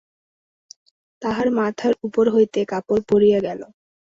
তাহার মাথার উপর হইতে কাপড় পড়িয়া গেল।